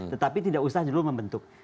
tetapi tidak usah dulu membentuk